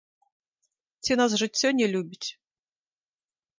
Ці нас жыццё не любіць?